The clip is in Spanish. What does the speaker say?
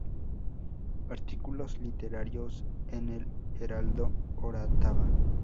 Artículos literarios en el Heraldo Orotava.